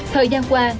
thời gian qua